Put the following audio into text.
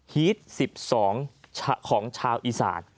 ฮีต๑๒ของชาวอีสาน